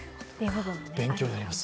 勉強になります。